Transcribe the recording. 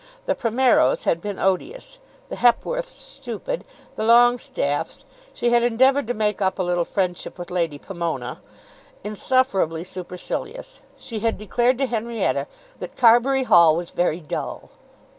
The Primeros had been odious; the Hepworths stupid; the Longestaffes, she had endeavoured to make up a little friendship with Lady Pomona, insufferably supercilious. She had declared to Henrietta "that Carbury Hall was very dull."